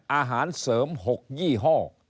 อาหารเสริม๖ยี่ห้อ